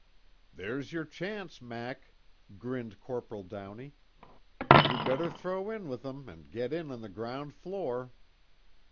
"There's your chance, Mac," grinned Corporal Downey, "You better throw in with 'em an' get in on the ground floor."